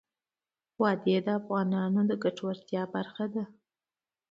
وادي د افغانانو د ګټورتیا برخه ده.